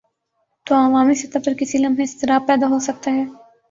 تو عوامی سطح پر کسی لمحے اضطراب پیدا ہو سکتا ہے۔